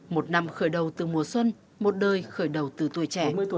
một năm khởi đầu từ mùa xuân một đời khởi đầu từ tuổi trẻ